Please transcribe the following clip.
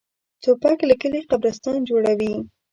توپک له کلي قبرستان جوړوي.